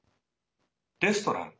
レストラン